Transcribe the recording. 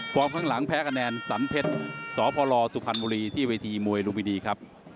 คลุมข้างหลังแพ้กำแหนสันเทศศพรสุพันธ์บุรีที่เวทีมวยลุยรูปวีดีครับ